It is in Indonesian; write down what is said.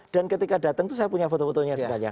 dan ketika datang saya punya foto fotonya sebenarnya